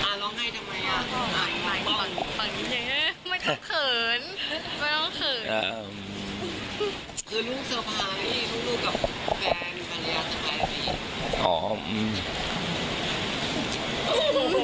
อ่านร้องไห้ทำไม